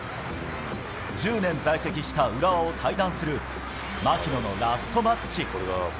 １０年在籍した浦和を退団する槙野のラストマッチ。